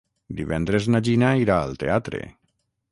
Divendres na Gina irà al teatre.